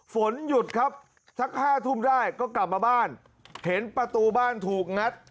ฝนหยุดครับสัก๕ทุ่มได้ก็กลับมาบ้านเห็นประตูบ้านถูกงัด